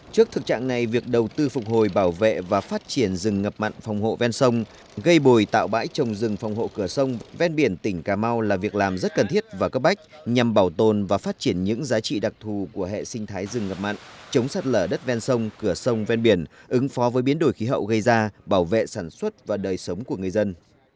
trước thực trạng này việc đầu tư phục hồi bảo vệ và phát triển rừng ngập mặn phòng hộ ven sông gây bồi tạo bãi trồng rừng phòng hộ cửa sông ven biển tỉnh cà mau là việc làm rất cần thiết và cấp bách nhằm bảo tồn và phát triển những giá trị đặc thù của hệ sinh thái rừng ngập mặn chống sát lở đất ven sông cửa sông ven biển ứng phó với biến đổi khí hậu gây ra bảo vệ sản xuất và đời sống của người dân